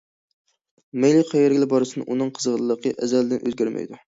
مەيلى قەيەرگىلا بارسۇن، ئۇنىڭ قىزغىنلىقى ئەزەلدىن ئۆزگەرمەيدۇ.